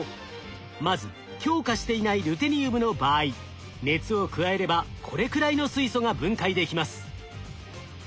まず強化していないルテニウムの場合熱を加えればこれくらいの水素が分解できます。